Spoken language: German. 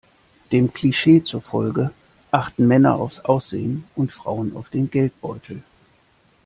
Dem Klischee zufolge achten Männer aufs Aussehen und Frauen auf den Geldbeutel.